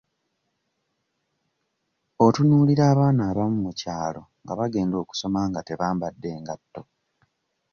Otunuulira abaana abamu mu kyalo nga bagenda okusoma nga tebambadde ngatto.